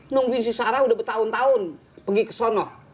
nungguin si sarah udah bertahun tahun pergi ke sana